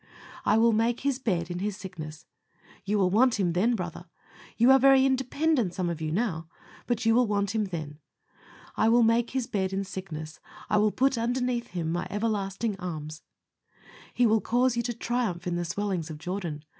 "I will make his bed in his sickness." You will want Him then, brother! You are very independent, some of you, now, but you will want Him then. "I will make his bed in sickness. I will put underneath Him my everlasting arms." He will cause you to triumph in the swellings of Jordan.